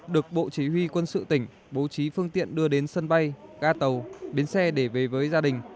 được bộ chỉ huy quân sự tỉnh bố trí phương tiện đưa đến sân bay ga tàu biến xe để về với gia đình